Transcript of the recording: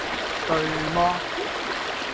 「對麼？」